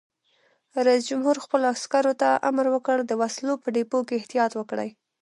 رئیس جمهور خپلو عسکرو ته امر وکړ؛ د وسلو په ډیپو کې احتیاط وکړئ!